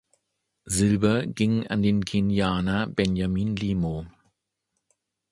Silber ging an den Kenianer Benjamin Limo.